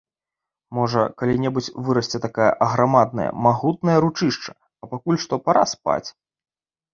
Можа, калі-небудзь вырасце такая аграмадная, магутная ручышча, а пакуль што пара спаць.